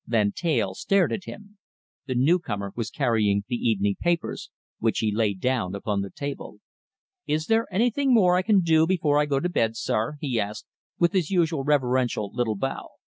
Van Teyl stared at him. The newcomer was carrying the evening papers, which he laid down upon the table. "Is there anything more I can do before I go to bed, sir?" he asked, with his usual reverential little bow.